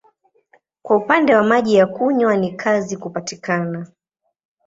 Kwa upande wa maji ya kunywa ni kazi kupatikana.